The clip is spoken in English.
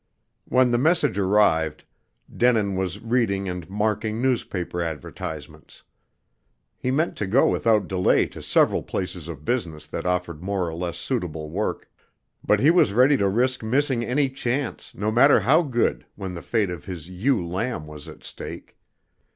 When the message arrived, Denin was reading and marking newspaper advertisements. He meant to go without delay to several places of business that offered more or less suitable work; but he was ready to risk missing any chance, no matter how good, when the fate of his ewe lamb was at stake.